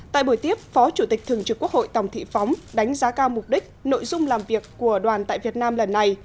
tại buổi tiếp phó chủ tịch thường trực quốc hội tòng thị phóng đánh giá cao mục đích nội dung làm việc của đoàn tại việt nam lần này